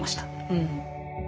うん。